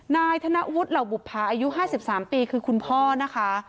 นายธนวุฒิเหล่าบุภาอายุ๕๓ปีคือคุณพ่อนะคะ